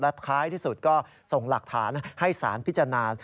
ท้ายที่สุดก็ส่งหลักฐานให้สารพิจารณา